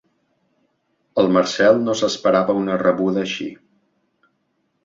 El Marcel no s'esperava una rebuda així.